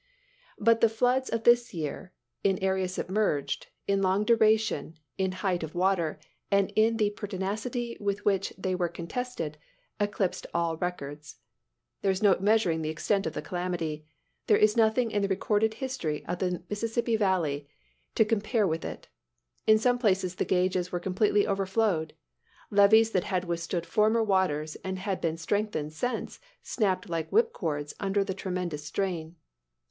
But the floods of this year, in area submerged, in long duration, in height of water, and in the pertinacity with which they were contested, eclipsed all records. There is no measuring the extent of the calamity. There is nothing in the recorded history of the Mississippi valley [Illustration: THE SCENE AT HIGH WATER.] to compare with it. In some places the gauges were completely overflowed. Levees that had withstood former waters, and had been strengthened since, snapped like whip cords, under the tremendous strain.